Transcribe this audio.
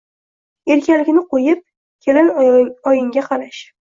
Erkalikni qo`yib, kelin oyingga qarash